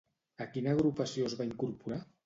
A quina agrupació es va incorporar?